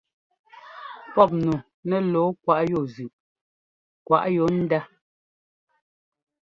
Pɔ́p nu nɛ lɔɔ kwaꞌ yú zʉꞌ kwaʼ yu ndá.